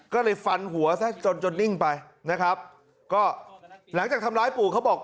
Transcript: ก็เลยฟันหัวจนจนดิ้งไปหลังจากทำร้ายปู่เขาบอก